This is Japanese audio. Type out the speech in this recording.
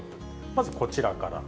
まずこちらから。